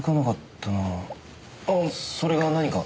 あっそれが何か？